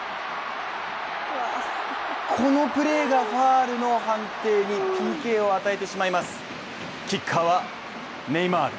このプレーがファウルの判定にＰＫを与えてしまいます。